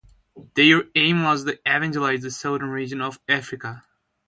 Their aim was to evangelize the 'Soudan' region of Africa.